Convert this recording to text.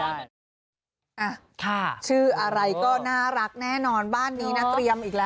อะไรอย่างนี้อีก